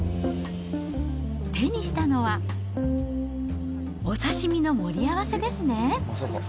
手にしたのは、お刺身の盛り合わせですね。